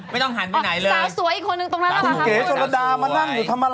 บอกยกคุณเก๋รอยทั้งตัว